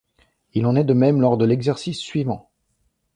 Il en est de même lors de l'exercice suivant.